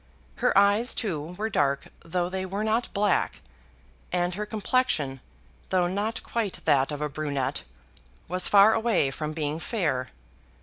Her eyes, too, were dark, though they were not black, and her complexion, though not quite that of a brunette, was far away from being fair.